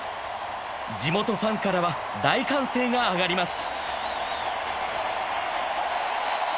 地元ファンからは、大歓声が上がります。